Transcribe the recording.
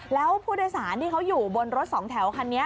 แล้วผู้โดยสารที่เขาอยู่บนรถสองแถวคันนี้